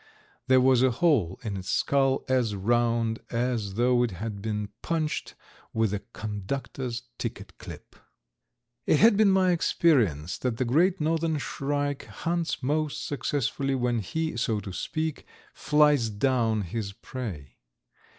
There was a hole in its skull as round as though it had been punched with a conductor's ticket clip. It has been my experience that the Great Northern Shrike hunts most successfully when he, so to speak, flies down his prey.